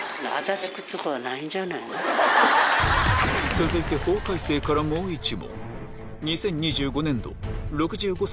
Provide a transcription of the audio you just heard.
続いて法改正からもう１問